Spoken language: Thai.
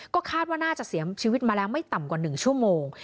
ก็คาดว่าน่าจะเสียชีวิตมาแล้วไม่ต่ำกว่า๑ชั่วโมง